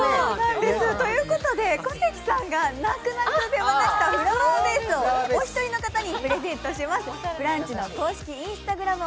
ということで、小関君が泣く泣く手放したフラワーベースをお一人の方にプレゼントします。